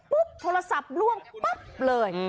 ปุ๊บโทรศัพท์ร่วมปั๊บเลย